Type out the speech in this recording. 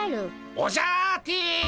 オジャアーティ！